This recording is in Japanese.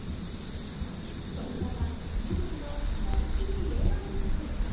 こちらはジブリのなりきり名場面展。